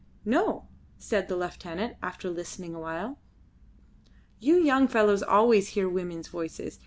"No," said the lieutenant, after listening awhile. "You young fellows always hear women's voices.